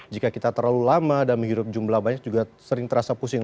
jika kita terlalu lama dan menghirup jumlah banyak juga sering terasa pusing